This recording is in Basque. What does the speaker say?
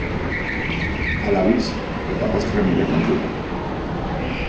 Hala biz, eta postrea nire kontura.